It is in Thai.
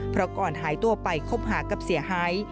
เพราะก่อนหายตัวไปคบหากับเสียหาย